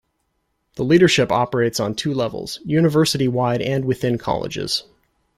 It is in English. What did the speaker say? The leadership operates on two levels - university wide and within colleges.